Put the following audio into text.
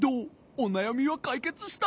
おなやみはかいけつした？